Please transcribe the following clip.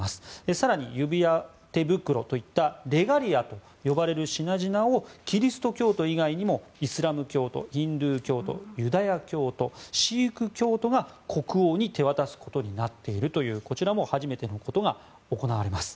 更に指輪、手袋といったレガリアといった品々をキリスト教徒以外にもイスラム教徒ヒンドゥー教徒、ユダヤ教徒シーク教徒が国王に手渡すことになっているという、こちらも初めてのことが行われます。